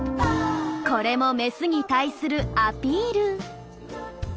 これもメスに対するアピール。